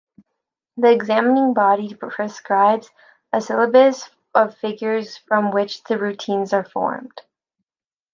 The examining body prescribes a syllabus of figures from which the routines are formed.